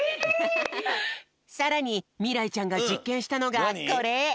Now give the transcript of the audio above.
さらにみらいちゃんがじっけんしたのがこれ！